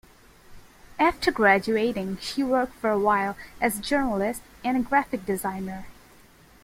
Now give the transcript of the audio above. After graduating, she worked for a while as a journalist and graphic designer.